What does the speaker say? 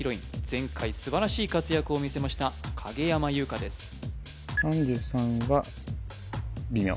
前回素晴らしい活躍を見せました影山優佳です微妙？